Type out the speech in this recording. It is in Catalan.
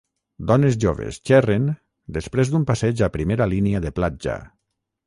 Dones joves xerren després d'un passeig a primera línia de platja.